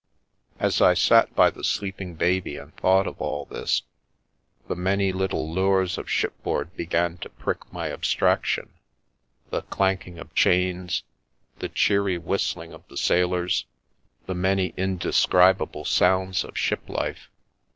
As I sat by the sleeping baby and thought of all this, the many little lures of shipboard began to prick my abstraction — the clanking of chains, the cheery whistling of the sailors, the many indescribable sounds of ship life.